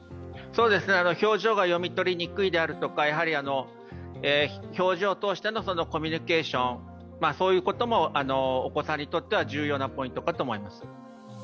表情が読み取りにくいであるとか、表情を通してのコミュニケーション、そういうこともお子さんにとっては重要なポイントかと思います。